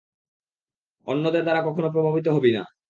অন্যদের ধারা কখনো প্রভাবিত হবি না।